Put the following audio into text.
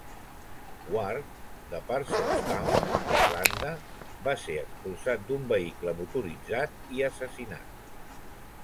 Ward, de Parsonstown, Irlanda, va ser expulsat d'un vehicle motoritzat i assassinat.